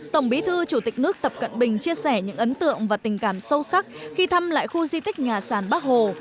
tổng bí thư chủ tịch nước tập cận bình chia sẻ những ấn tượng và tình cảm sâu sắc khi thăm lại khu di tích nhà sàn bắc hồ